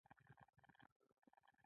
ټپي ته باید ژور درک ورکړو.